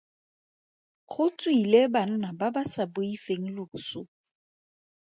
Go tswile banna ba ba sa boifeng loso.